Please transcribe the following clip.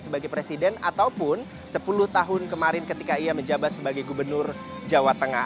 sebagai presiden ataupun sepuluh tahun kemarin ketika ia menjabat sebagai gubernur jawa tengah